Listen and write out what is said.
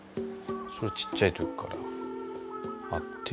それちっちゃい時からあって。